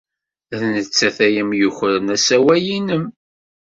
D nettat ay am-yukren asawal-nnem.